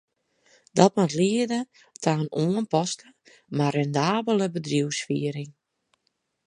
Dat moat liede ta in oanpaste, mar rendabele bedriuwsfiering.